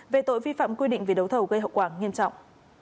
về tội vi phạm quy định về đấu thầu gây hậu quả nghiêm trọng